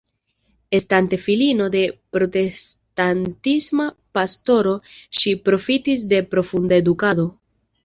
Estante filino de protestantisma pastoro ŝi profitis de profunda edukado.